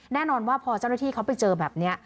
แน่นอนว่าพอเจ้าหน้าที่เขาไปเจอแบบนี้